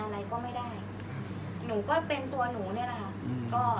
อันไหนที่มันไม่จริงแล้วอาจารย์อยากพูด